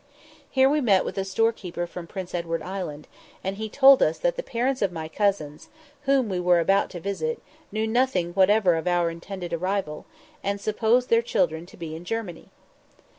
Here we met with a storekeeper from Prince Edward Island, and he told us that the parents of my cousins, whom we were about to visit, knew nothing whatever of our intended arrival, and supposed their children to be in Germany.